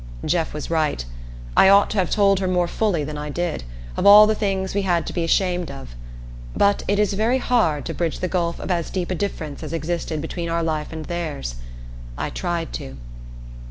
Jeff was right. I ought to have told her more fully than I did, of all the things we had to be ashamed of. But it is very hard to bridge the gulf of as deep a difference as existed between our life and theirs. I tried to.